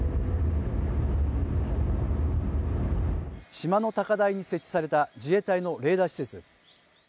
島の高台に設置された自衛隊のレーダー施設です。